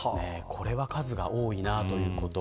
これは数が多いなということ。